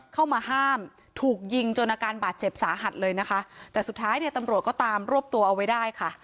เข้ามาห้ามถูกยิงจนอาการบาดเจ็บสาหัสเลยนะคะแต่สุดท้ายเนี่ยตำรวจก็ตามรวบตัวเอาไว้ได้ค่ะ